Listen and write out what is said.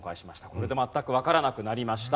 これで全くわからなくなりました。